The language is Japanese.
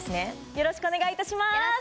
よろしくお願いします